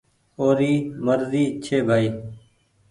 اوري مرزي ڇي ڀآئي۔